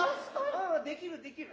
うんできるできる。